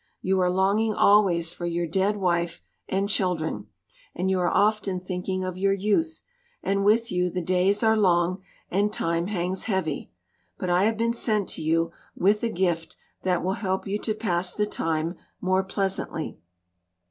You are longing always for your dead wife and children, and you are often thinking of your youth, and with you the days are long and time hangs heavy. But I have been sent to you with a gift that will help you to pass the time more pleasantly."